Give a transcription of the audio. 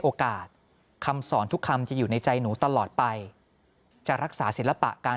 คำสอนทุกคำจะอยู่ในใจหนูตลอดไปจะรักษาศิลปะการ